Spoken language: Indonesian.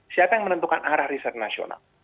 siapa yang menentukan arah riset nasional